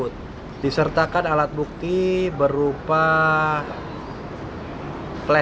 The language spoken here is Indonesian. untuk mencari keadilan kita harus mengambil keterangan yang terbaik